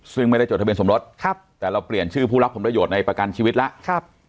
ซึ่งไม่ได้จดทะเบียสมรสครับแต่เราเปลี่ยนชื่อผู้รับผลประโยชน์ในประกันชีวิตแล้ว